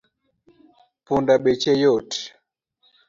Punda beche yot